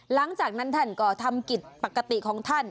หลังจากนั้นท่านก็ทำกิจปกติของท่าน